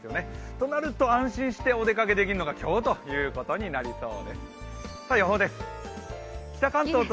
となると安心してお出かけできるのが今日ということになりそう。